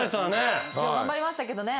一応頑張りましたけどね